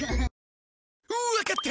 わかった！